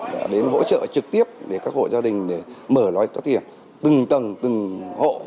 đã đến hỗ trợ trực tiếp để các hộ gia đình để mở lối thoát hiểm từng tầng từng hộ